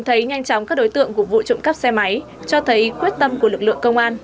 thấy nhanh chóng các đối tượng của vụ trộm cắp xe máy cho thấy quyết tâm của lực lượng công an